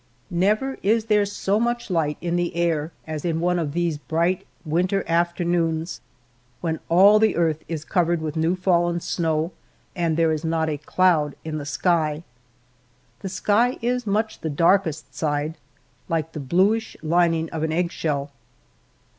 Never is there so much light in the air as in one of these bright winter afternoons when all the earth is covered with new fallen snow, and there is not a cloud in the sky. The sky is much the darkest side, like the bluish lining of an egg shell.